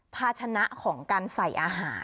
ภาชนะของการใส่อาหาร